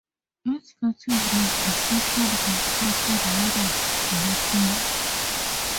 Its native range is Central and Southern Europe to Ukraine.